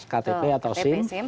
ktp atau sim